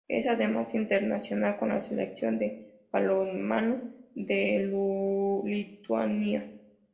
Es, además, internacional con la Selección de balonmano de Lituania.